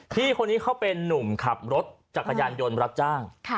พี่คนนี้เขาเป็นนุ่มขับรถจักรยานยนต์รับจ้าง